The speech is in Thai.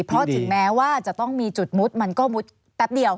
เพราะถึงแม้ว่าจะต้องมีจุดมุดมันก็มุดแป๊บเดียว